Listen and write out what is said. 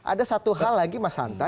ada satu hal lagi mas hanta